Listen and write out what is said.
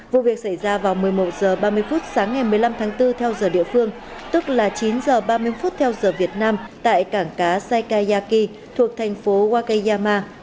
vụ việc xảy ra vào một mươi một h ba mươi phút sáng ngày một mươi năm tháng bốn theo giờ địa phương tức là chín h ba mươi phút theo giờ việt nam tại cảng cá saikayaki thuộc thành phố wakeyama